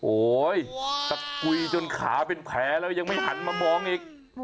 โอ้โหตะกุยจนขาเป็นแผลแล้วยังไม่หันมามองอีก